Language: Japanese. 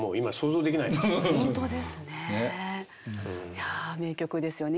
いや名曲ですよね。